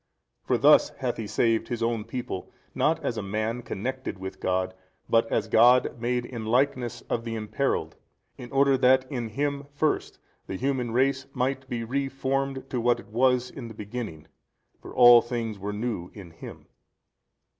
For thus hath He saved His own people, not as a man connected with God but as God made in the likeness of the imperilled, in order that in Him first the human race might be re formed to what it was in the beginning: for all things were new in Him.